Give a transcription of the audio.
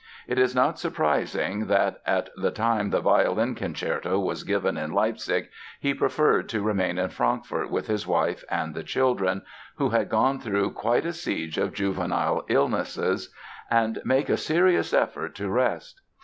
It is not surprising that, at the time the violin concerto was given in Leipzig, he preferred to remain in Frankfort with his wife and the children (who had gone through quite a siege of juvenile illnesses) and make a serious effort to rest.